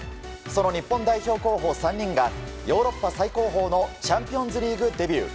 その日本代表候補３人がヨーロッパ最高峰のチャンピオンズリーグデビュー。